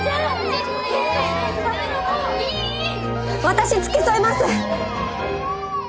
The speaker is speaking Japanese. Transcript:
私付き添います！